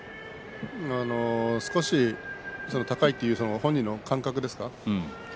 少し高いという本人の感覚ですか？